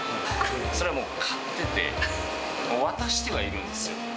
それはもう買ってて、もう渡してはいるんですよ。